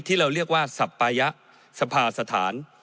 ที่เราเรียกว่าสัปปายะสภาสถาน